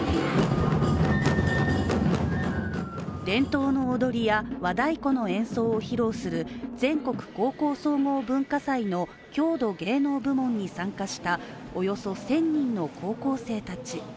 伝統の踊りや和太鼓の演奏を披露する全国高校総合文化祭の郷土芸能部門に参加したおよそ１０００人の高校生たち。